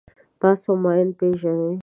تاسو ماین پېژنئ.